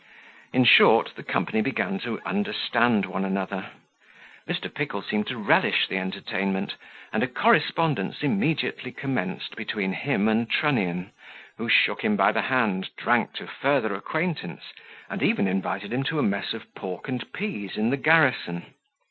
In short, the company began to understand one another; Mr. Pickle seemed to relish the entertainment, and a correspondence immediately commenced between him and Trunnion, who shook him by the hand, drank to further acquaintance, and even invited him to a mess of pork and pease in the garrison.